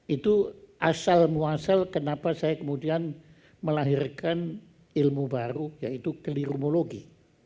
itu asal muasal kenapa saya kemudian melahirkan ilmu baru yaitu kelirumologi